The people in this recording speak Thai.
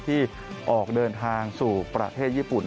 ที่ออกเดินทางสู่ประเทศญี่ปุ่น